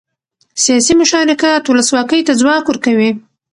سیاسي مشارکت ولسواکۍ ته ځواک ورکوي